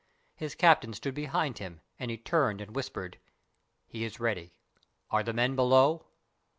His captain stood behind him, and he turned and whispered: "He is ready. Are the men below?"